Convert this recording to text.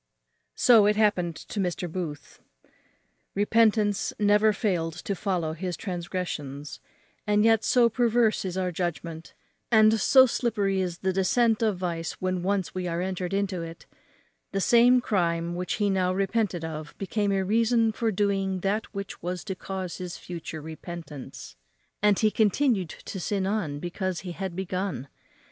So it happened to Mr. Booth. Repentance never failed to follow his transgressions; and yet so perverse is our judgment, and so slippery is the descent of vice when once we are entered into it, the same crime which he now repented of became a reason for doing that which was to cause his future repentance; and he continued to sin on because he had begun.